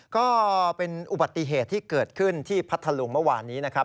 ก็เป็นอุบัติเหตุที่เกิดขึ้นที่พัทธลุงเมื่อวานนี้นะครับ